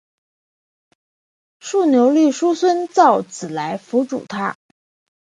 竖牛立叔孙昭子来辅佐他。